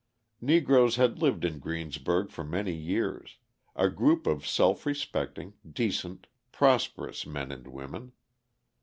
Negroes had lived in Greensburg for many years, a group of self respecting, decent, prosperous men and women.